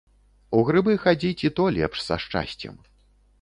У грыбы хадзіць і то лепш са шчасцем.